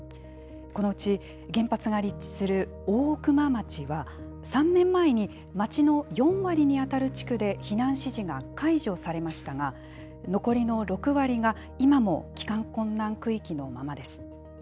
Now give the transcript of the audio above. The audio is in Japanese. このうち原発が立地する大熊町は、３年前に町の４割に当たる地区で避難指示が解除されましたが、残りの６割が今も帰還困難区域のままです。